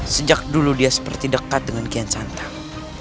sejak dulu dia seperti dekat dengan kian santang